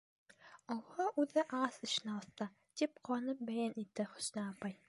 Олоһо үҙе ағас эшенә оҫта, — тип ҡыуанып бәйән итте Хөснә апай.